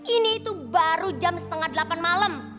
ini itu baru jam setengah delapan malam